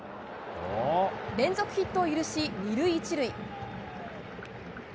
連続ヒットを許し２塁１塁。